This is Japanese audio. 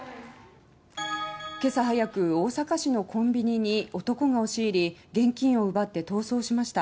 今朝早く大阪市のコンビニに男が押し入り現金を奪って逃走しました。